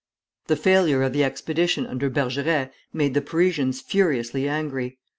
The failure of the expedition under Bergeret made the Parisians furiously angry.